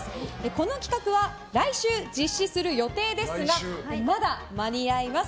この企画は来週実施する予定ですがまだ間に合います！